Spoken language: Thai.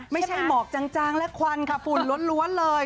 ไม่ใช่หมอกจังและควันค่ะฝุ่นล้วนเลย